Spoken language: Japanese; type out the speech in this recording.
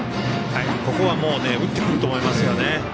ここは打ってくると思いますね。